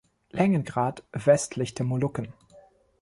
Längengrad, westlich der Molukken.